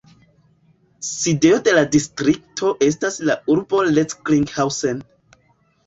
Sidejo de la distrikto estas la urbo Recklinghausen.